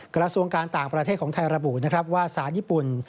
กระทรวงการต่างประเทศไทยระบุว่าสารญี่ปุ่น